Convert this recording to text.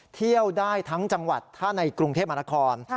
เที่ยวได้ทั้งจังหวัดถ้าในกรุงเทพมหานคร